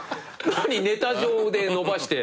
何ネタ上で伸ばして。